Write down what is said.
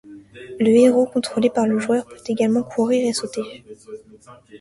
Le héros, contrôlé par le joueur peut également courir et sauter.